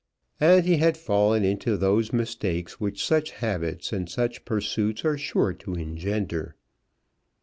And he had fallen into those mistakes which such habits and such pursuits are sure to engender.